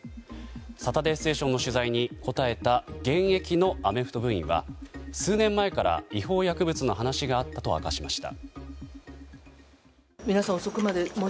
「サタデーステーション」の取材に答えた現役のアメフト部員は数年前から違法薬物の話があったと明かしました。